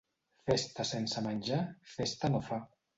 Festa sense menjar, festa no fa.